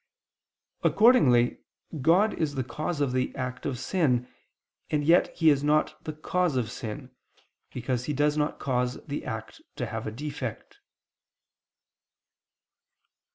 Accordingly God is the cause of the act of sin: and yet He is not the cause of sin, because He does not cause the act to have a defect.